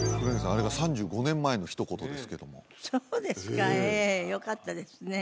あれが３５年前のひと言ですけどもそうですかええよかったですね